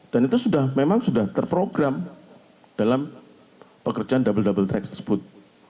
dan itu memang sudah terprogram dalam pekerjaan double double treks tersebut